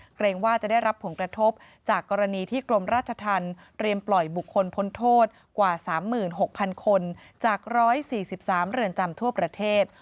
เกรงว่าจะได้รับผลกระทบจากกรณีที่กรมราชธรรมเรียมปล่อยบุคคลพ้นโทษกว่า๓๖๐๐๐คนจาก๑๔๓เรือนจำทั่วประเทศ